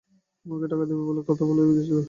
আমাকে টাকা দেবে বলে কথা দিয়েছিল।